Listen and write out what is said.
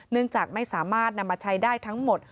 เนื่องจากไม่สามารถนำมาใช้ได้ทั้งหมด